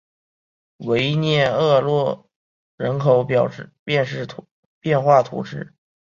维涅厄勒人口变化图示